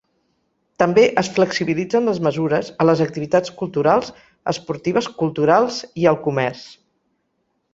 També es flexibilitzen les mesures a les activitats culturals, esportives, culturals i al comerç.